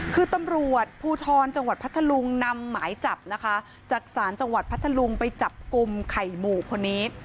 คือตำรวจภูทรจังหวัดพัทธลุงนำหมายจับนะคะจากศาลจังหวัดพัทธลุงไปจับกลุ่มไข่หมู่คนนี้